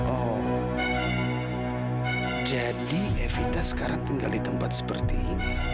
oh jadi evita sekarang tinggal di tempat seperti ini